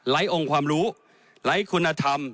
ไหล้องค์ความรู้ไหล้คุณธรรม